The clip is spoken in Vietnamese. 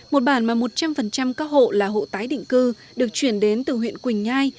một bản mà một trăm linh các hộ là hộ tái định cư được chuyển đến từ huyện quỳnh nhai